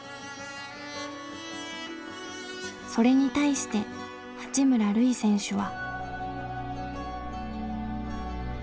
それに対して八村塁選手は。